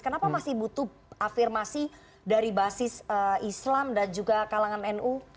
kenapa masih butuh afirmasi dari basis islam dan juga kalangan nu